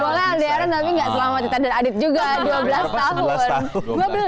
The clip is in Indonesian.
boleh aliran tapi gak selama kita dan adit juga dua belas tahun